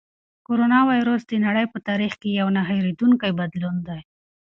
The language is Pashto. کرونا وېروس د نړۍ په تاریخ کې یو نه هېرېدونکی بدلون دی.